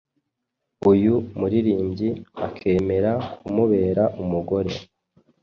uyu muririmbyi akemera kumubera umugore.